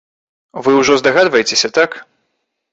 Вы ўжо здагадваецеся, так?